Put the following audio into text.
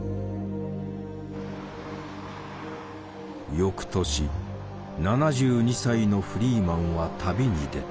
翌年７２歳のフリーマンは旅に出た。